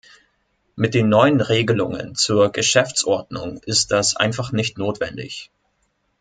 Mit den neuen Regelungen zur Geschäftsordnung ist das einfach nicht notwendig.